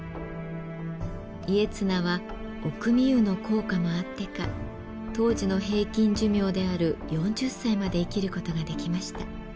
家綱は御汲湯の効果もあってか当時の平均寿命である４０歳まで生きることができました。